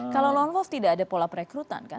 kalau long off tidak ada pola perekrutan kan